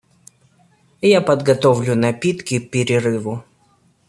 Я подготовлю напитки к перерыву.